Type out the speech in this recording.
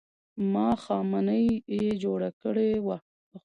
ماښامنۍ یې جوړه کړې وه.